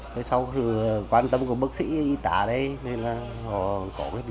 rồi sau thì quan tâm của bác sĩ y tả đây nên là họ có cái bệnh